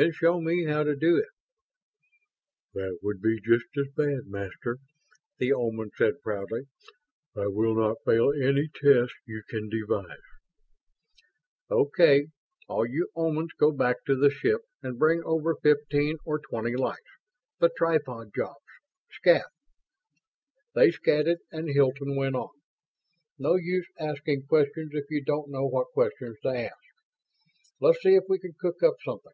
"Then show me how to do it." "That would be just as bad, Master," the Oman said proudly. "I will not fail any test you can devise!" "Okay. All you Omans go back to the ship and bring over fifteen or twenty lights the tripod jobs. Scat!" They "scatted" and Hilton went on, "No use asking questions if you don't know what questions to ask. Let's see if we can cook up something.